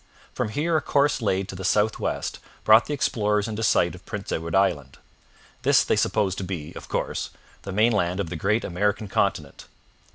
From here a course laid to the south west brought the explorers into sight of Prince Edward Island. This they supposed to be, of course, the mainland of the great American continent.